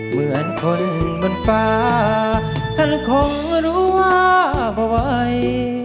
เหมือนคนบนฟ้าท่านคงรู้ว่าเผ่าไว้